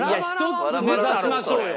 １つ目指しましょうよ